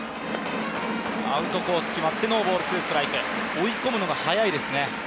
追い込むのが早いですね。